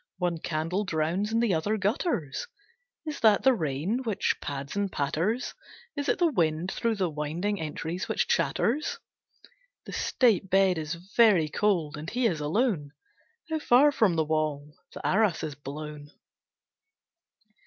One candle drowns and the other gutters. Is that the rain which pads and patters, is it the wind through the winding entries which chatters? The state bed is very cold and he is alone. How far from the wall the arras is blown!